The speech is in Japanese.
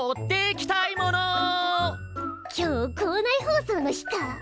今日校内放送の日か。